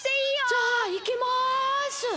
・じゃあいきます！